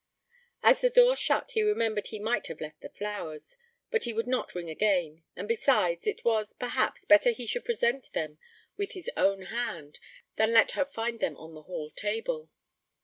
As the door shut he remembered he might have left the flowers, but he would not ring again, and besides, it was, perhaps, better he should present them with his own hand, than let her find them on the hall table.